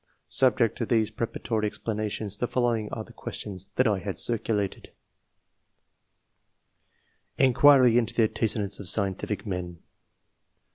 Sub ject to these preparatory explanations, the following are the questions that I circulated :— INQUIRY INTO THE ANTECEDENTS OF SCIENTIFIC MEN.